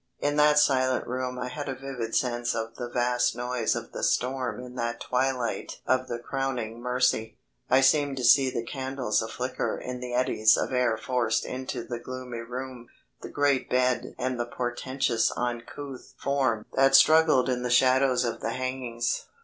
In that silent room I had a vivid sense of the vast noise of the storm in that twilight of the crowning mercy. I seemed to see the candles a flicker in the eddies of air forced into the gloomy room; the great bed and the portentous uncouth form that struggled in the shadows of the hangings.